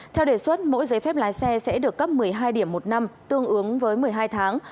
theo đề xuất mỗi giấy phép lái xe sẽ được cấp một mươi hai điểm một năm tương ứng với một mươi hai tháng